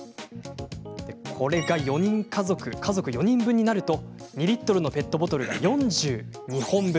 これが家族４人分になると２リットルのペットボトルが４２本分。